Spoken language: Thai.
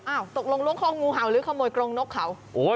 อ้าวตกลงล้วงของงหวัดหรือขโมยกรงนกเขาโอ้ย